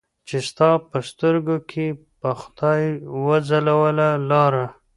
چې ستا په سترګو کې به خدای وځلوله لاره